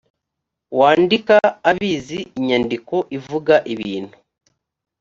wandika abizi inyadiko ivuga ibintu